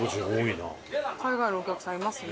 海外のお客さんいますね。